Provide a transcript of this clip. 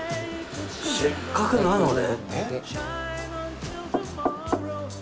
せっかくなので。